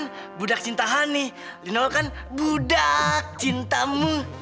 lino kan budak cinta honey lino kan budak cintamu